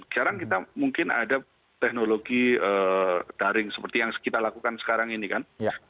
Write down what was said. sekarang kita mungkin ada teknologi daring seperti yang kita lakukan sekarang ini kan